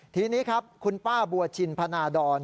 ทีนี้ครับคุณป้าบัวชินพนาดร